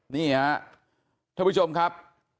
นี่ครับท่านผู้ชมครับ